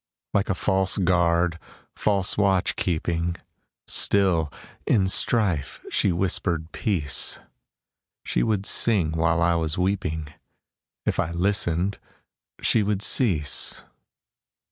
Like a false guard, false watch keeping, Still, in strife, she whispered peace; She would sing while I was weeping; If I listened, she would cease.